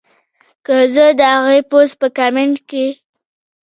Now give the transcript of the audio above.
کۀ زۀ د هغې پوسټ پۀ کمنټ کښې